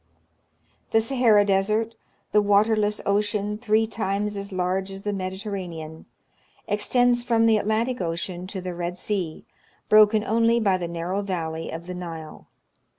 The Sahara Desert, the waterless ocean three times as larsre as the Mediterranean, extends from the Atlantic Ocean to the Red Sea, broken only by the narrow valley of the Nile.